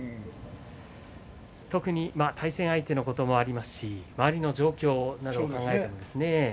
特に対戦相手のこともありますし周りの状況もありますね。